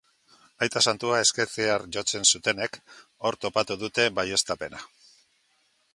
Aita santua ezkertiar jotzen zutenek, hor topatu dute baieztapena.